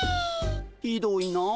ひどいな。